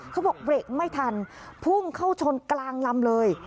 เขาบอกเบรกไม่ทันพุ่งเข้าชนกลางลำเลย